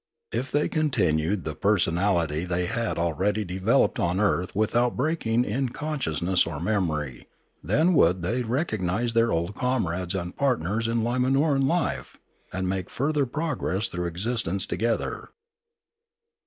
If they continued the personality they had already developed on earth without break in conscious ness or memory, then would they recognise their old comrades and partners in Limanoran life, and make further progress through existence together.